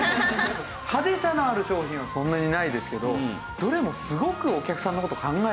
派手さのある商品はそんなにないですけどどれもすごくお客さんの事を考えてますよね。